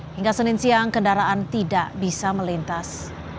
hingga senin siang kendaraan tidak bisa melintas